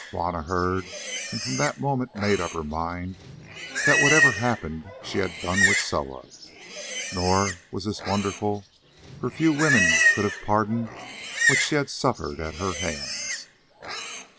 Juanna heard and from that moment made up her mind that whatever happened she had done with Soa. Nor was this wonderful, for few women could have pardoned what she had suffered at her hands.